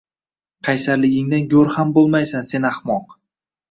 Qaysarligingdan go‘r ham bo‘lmaysan, sen ahmoq.